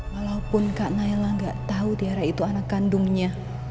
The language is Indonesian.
walaupun kak naila gak tahu tiara itu anak kandungnya